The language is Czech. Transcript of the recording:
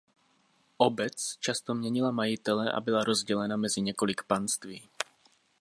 Obec často měnila majitele a byla rozdělena mezi několik panství.